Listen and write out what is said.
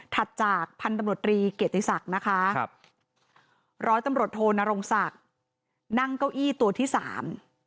จากพันธุ์ตำรวจรีเกียรติศักดิ์นะคะครับร้อยตำรวจโทนรงศักดิ์นั่งเก้าอี้ตัวที่สาม